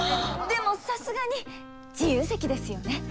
でもさすがに自由席ですよね？